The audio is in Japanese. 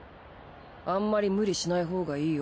あんまり無理しないほうがいいよ。